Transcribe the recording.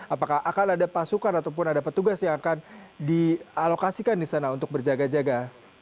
apakah akan ada pasukan ataupun ada petugas yang akan dialokasikan di sana untuk berjaga jaga